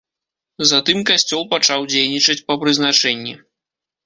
Затым касцёл пачаў дзейнічаць па прызначэнні.